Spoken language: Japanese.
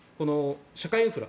社会インフラを。